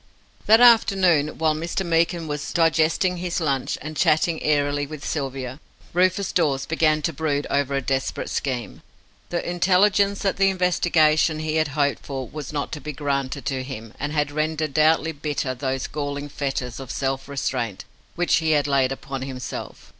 That afternoon, while Mr. Meekin was digesting his lunch, and chatting airily with Sylvia, Rufus Dawes began to brood over a desperate scheme. The intelligence that the investigation he had hoped for was not to be granted to him had rendered doubly bitter those galling fetters of self restraint which he had laid upon himself.